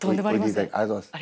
ありがとうございます。